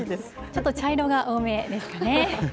ちょっと茶色が多めですかね。